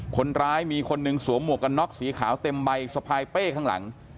คนร้ายมีคนหนึ่งสวมหมวกกันน็อกสีขาวเต็มใบสะพายเป้ข้างหลัง